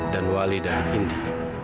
dan wali dari indi